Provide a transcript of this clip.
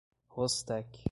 Rostec